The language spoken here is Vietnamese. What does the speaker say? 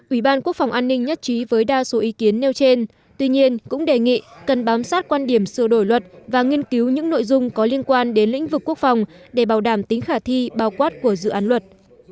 ủy ban quốc phòng an ninh nhất trí với đa số ý kiến nêu trên tuy nhiên cũng đề nghị cần bám sát quan điểm sửa đổi luật và nghiên cứu những nội dung có liên quan đến lĩnh vực quốc phòng để bảo đảm tính khả thi bao quát của dự án luật